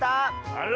あら！